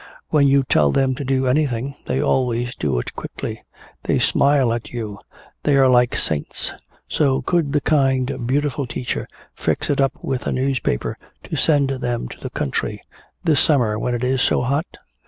When you tell them to do anything they always do it quickly. They smile at you, they are like saints. So could the kind beautiful teacher fix it up with a newspaper to send them to the country this summer when it is so hot?